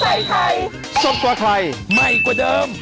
เผ้าใส่ไข่ซบกว่าไข่ไหม้กว่าเดิม